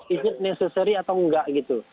is it necessary atau enggak gitu